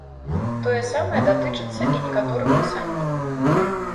Тое самае датычыцца і некаторых дэсантнікаў.